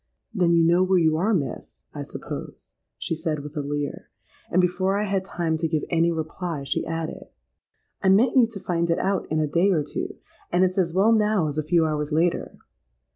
'—'Then you know where you are, Miss, I suppose?' she said, with a leer; and, before I had time to give any reply, she added, 'I meant you to find it out in a day or two; and it's as well now as a few hours later.